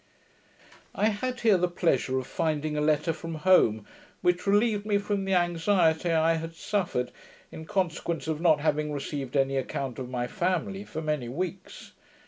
I had here the pleasure of finding a letter from home, which relieved me from the anxiety I had suffered, in consequence of not having received any account of my family for many weeks.